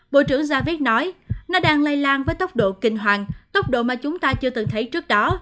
bộ trưởng javid nói nó đang lây lan với tốc độ kinh hoàng tốc độ mà chúng ta chưa từng thấy trước đó